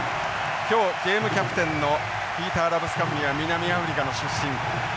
今日ゲームキャプテンのピーターラブスカフニは南アフリカの出身。